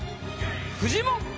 フジモンか？